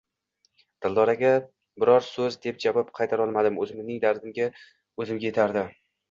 Dildoraga biror soʻz deb javob qaytarolmadim, oʻzimning dardim oʻzimga yetardi.